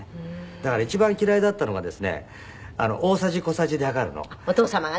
だから一番嫌いだったのがですね大さじ小さじで量るの。お父様がね。